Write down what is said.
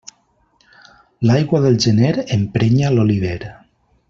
L'aigua del gener emprenya l'oliver.